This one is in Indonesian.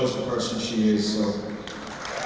menunjukkan orang yang dia adalah